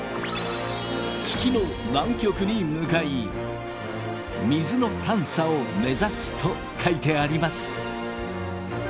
「月の南極に向かい水の探査を目指す」と書いてあります。